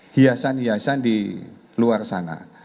hiasan hiasan di luar sana